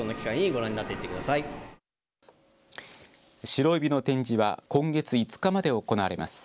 シロエビの展示は今月５日まで行われます。